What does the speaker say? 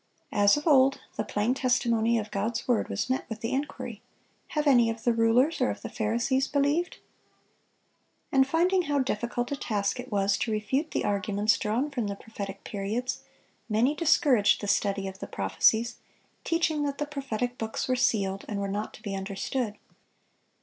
As of old, the plain testimony of God's word was met with the inquiry, "Have any of the rulers or of the Pharisees believed?" And finding how difficult a task it was to refute the arguments drawn from the prophetic periods, many discouraged the study of the prophecies, teaching that the prophetic books were sealed, and were not to be understood.